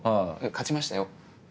勝ちましたよ。